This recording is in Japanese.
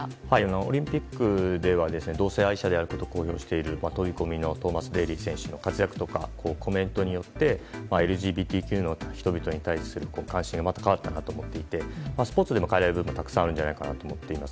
オリンピックでは同性愛者であることを公表している飛び込みのトーマス・デーリー選手の活躍とかコメントによってＬＧＢＴＱの人々に対する関心がまた変わったなと思っていてパスポートでも変えられることがたくさんあるんじゃないかと思います。